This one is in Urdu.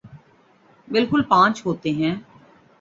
بالکل پانچ ہوتے ہیں